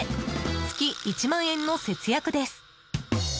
月１万円の節約です。